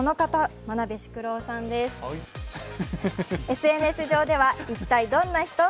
ＳＮＳ上では一体どんな人？